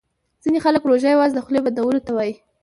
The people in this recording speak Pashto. ځیني خلګ روژه یوازي د خولې بندولو ته وايي